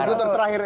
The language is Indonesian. mas guntur terakhir